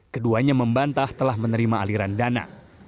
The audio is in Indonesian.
keduanya membantah telah menerima aliran dana